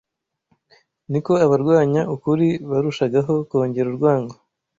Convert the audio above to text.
ni ko abarwanya ukuri barushagaho kongera urwango